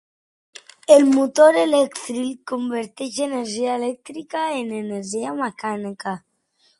El motor elèctric converteix energia elèctrica en energia mecànica.